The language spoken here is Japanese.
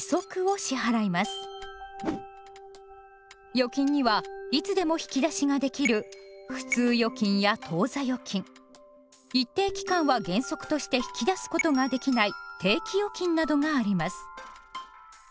預金にはいつでも引き出しができる普通預金や当座預金一定期間は原則として引き出すことができない定期預金などがあります。